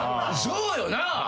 そうよな。